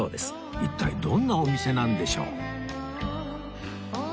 一体どんなお店なんでしょう？